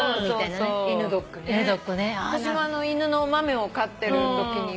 私も犬の豆を飼ってるときには。